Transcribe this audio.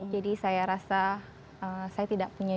jadi saya rasa saya tidak punya